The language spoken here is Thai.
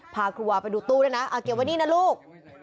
พาครูวาไปดูตู้ด้วยเอาเก็บวันนี้แล้วลูก